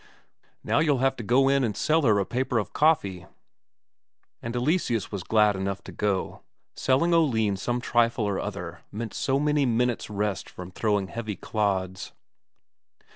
"Now you'll have to go in and sell her a paper of coffee." And Eleseus was glad enough to go. Selling Oline some trifle or other meant so many minutes' rest from throwing heavy clods.